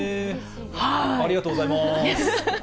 ありがとうございます。